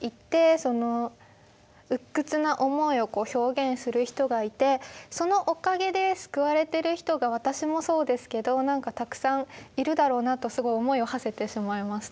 その鬱屈な思いを表現する人がいてそのおかげで救われてる人が私もそうですけどたくさんいるだろうなとすごい思いをはせてしまいました。